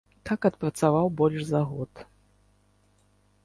Так адпрацаваў больш за год.